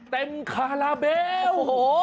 เต็มคาราเบล